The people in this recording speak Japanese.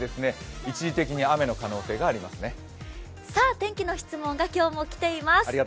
天気の質問が今日も来ています。